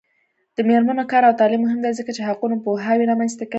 د میرمنو کار او تعلیم مهم دی ځکه چې حقونو پوهاوی رامنځته کوي.